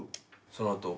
その後。